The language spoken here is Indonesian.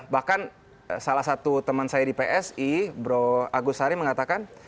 bahkan salah satu teman saya di psi bro agus sari mengatakan